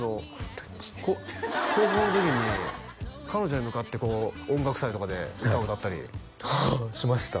るっち高校の時に彼女に向かってこう音楽祭とかで歌を歌ったりああしました